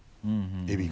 エビが。